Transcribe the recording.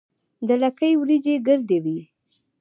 د لکۍ وریجې ګردې وي.